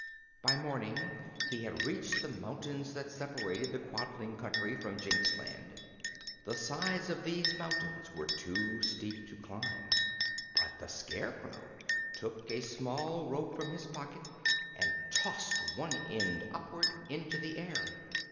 By morning he had reached the mountains that separated the Quadling Country from Jinxland. The sides of these mountains were too steep to climb, but the Scarecrow took a small rope from his pocket and tossed one end upward, into the air.